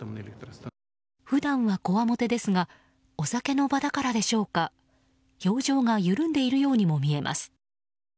普段はこわもてですがお酒の場だからでしょうか表情が緩んでいるようにも見えます。